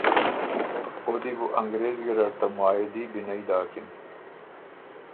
او دی بو انګرېز ګیرډ ته معاهدي بِنئ داکِن۔